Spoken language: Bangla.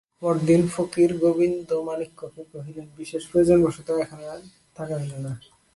পরদিন ফকির গোবিন্দমাণিক্যকে কহিলেন, বিশেষ প্রয়োজনবশত এখানে আর থাকা হইল না।